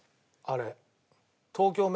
あれ。